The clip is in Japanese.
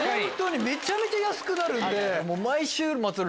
本当にめちゃめちゃ安くなるんで毎週末。